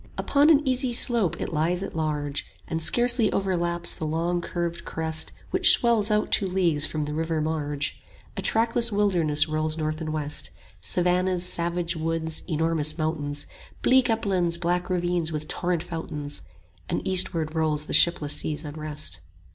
Upon an easy slope it lies at large And scarcely overlaps the long curved crest 30 Which swells out two leagues from the river marge. A trackless wilderness rolls north and west, Savannahs, savage woods, enormous mountains, Bleak uplands, black ravines with torrent fountains; And eastward rolls the shipless sea's unrest.